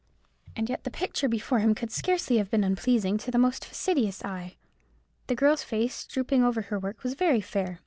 And yet the picture before him could have scarcely been unpleasing to the most fastidious eye. The girl's face, drooping over her work, was very fair.